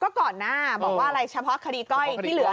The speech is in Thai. ก็ก่อนหน้าบอกว่าอะไรเฉพาะคดีก้อยที่เหลือ